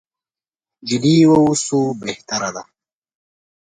جدي واوسو بهتره ده.